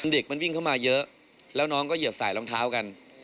เด็กมันวิ่งเข้ามาเยอะแล้วน้องก็เหยียบใส่รองเท้ากัน